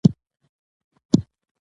مور د ماشوم د خوراک عادت اصلاح کوي.